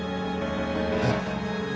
えっ？